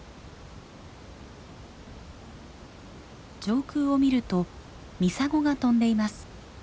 上空を見るとミサゴが飛んでいます。